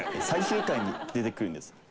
最終回に出てくるんです。